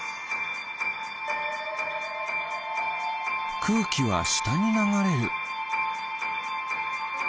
くうきはしたにながれる。